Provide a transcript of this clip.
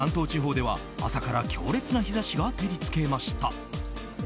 今日も関東地方では、朝から強烈な日差しが照り付けました。